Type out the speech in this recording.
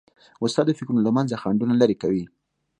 استاد د فکرونو له منځه خنډونه لیري کوي.